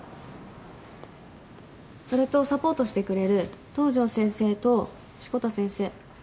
それとサポートしてくれる東上先生と志子田先生。